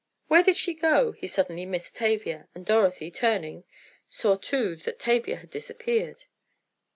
"Where did she go?" He suddenly missed Tavia, and Dorothy, turning, saw too that Tavia had disappeared.